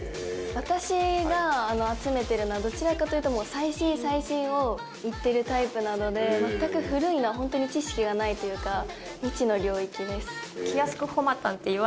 私が集めているのはどちらかというと最新最新をいってるタイプなので全く古いのはホントに知識がないというか未知の領域です。